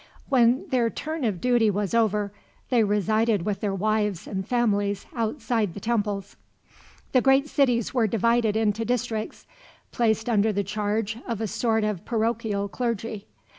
When their turn of duty was over, they resided with their wives and families outside the temples. The great cities were divided into districts, placed under the charge of a sort of parochial clergy.